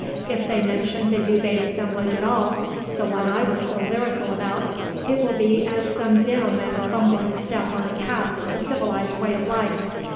If they mention the Ubaid assemblage at all the one I was so lyrical about it will be as some dim and fumbling step on the path to the civilized way of life.